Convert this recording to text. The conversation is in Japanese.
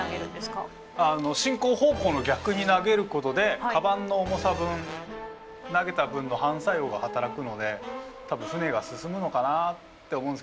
進行方向の逆に投げることでカバンの重さ分投げた分の反作用が働くので多分舟が進むのかなって思うんですけどまあ。